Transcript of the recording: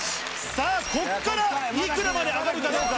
さあ、ここからいくらまで上がるんだろうか。